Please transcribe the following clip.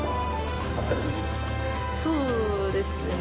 そうですね。